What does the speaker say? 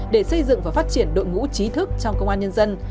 để phát triển đội ngũ trí thức trong công an nhân dân